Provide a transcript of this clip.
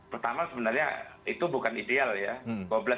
pertama sebenarnya itu bukan ideal ya